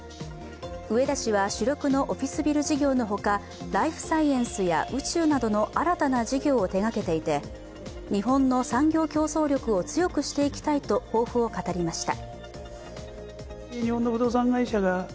植田氏は主力のオフィスビル事業のほか、ライフサイエンスや宇宙などの新たな事業を手がけていて日本の産業競争力を強くしていきたいと抱負を語りました。